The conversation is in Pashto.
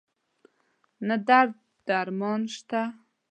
نه درد مان شته